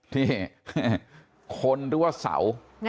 นี่คนหรือว่าเสา